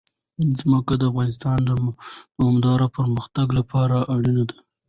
ځمکه د افغانستان د دوامداره پرمختګ لپاره اړین دي.